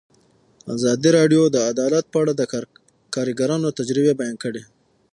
ازادي راډیو د عدالت په اړه د کارګرانو تجربې بیان کړي.